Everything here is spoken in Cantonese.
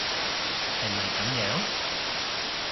係咪噉樣？